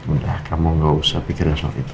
udah kamu gak usah pikirin soal itu